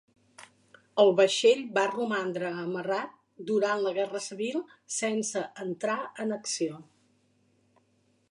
El vaixell va romandre amarrat durant la guerra civil sense entrar en acció.